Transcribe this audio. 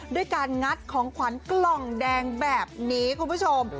ด้วยการงัดของขวัญกล่องแดงแบบนี้คุณผู้ชม